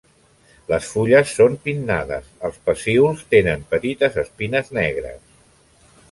Les fulles són pinnades, els pecíols tenen petites espines negres.